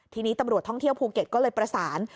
ทีนี้ตำรวจท่องเที่ยวภูเก็ตก็เลยประสาน